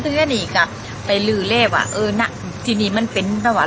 สุดท้ายสุดท้ายสุดท้ายสุดท้าย